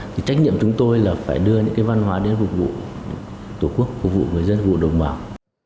thì trách nhiệm chúng tôi là phải đưa những cái văn hóa đến phục vụ tổ quốc phục vụ người dân phục vụ đồng bảo